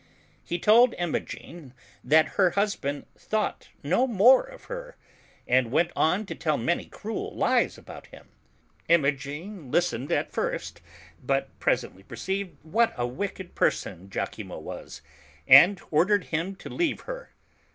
He told Imogen that her husband thought no more of her, and went on to tell many cruel lies about him. Imogen listened at first, but presently perceived what a wicked person lachimo was, and ordered him to leave her.